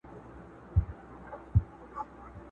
کرۍ ورځ به کړېدی د زوی له غمه،